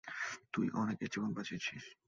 তুই অনেকের জীবন বাঁচিয়েছিস।